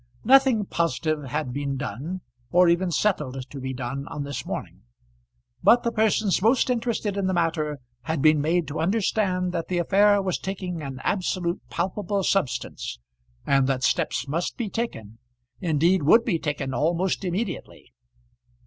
Nothing positive had been done, or even settled to be done, on this morning; but the persons most interested in the matter had been made to understand that the affair was taking an absolute palpable substance, and that steps must be taken indeed would be taken almost immediately.